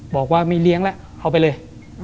บอกว่ามีเลี้ยงแล้วเอาไปเลย